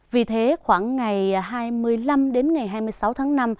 vì thế khoảng ngày hai mươi năm đến ngày hai mươi sáu tháng năm